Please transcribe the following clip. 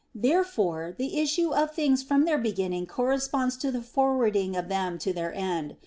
Therefore the issue of things from their beginning corresponds to the forwarding of them to their end.